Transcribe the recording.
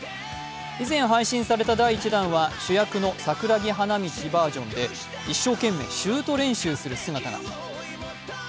以前配信された第１弾は主役の桜木花道バージョンで一生懸命シュート練習する姿が。